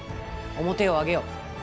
面を上げよ。